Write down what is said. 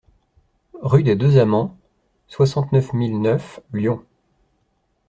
Rue des Deux Amants, soixante-neuf mille neuf Lyon